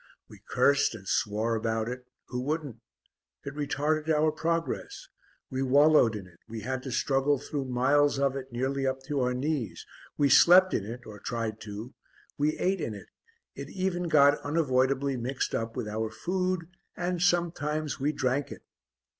We cursed and swore about it; who wouldn't? It retarded our progress; we wallowed in it, we had to struggle through miles of it nearly up to our knees; we slept in it or tried to; we ate in it, it even got unavoidably mixed up with our food; and sometimes we drank it.